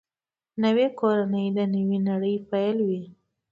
نوې کورنۍ د نوې نړۍ پیل وي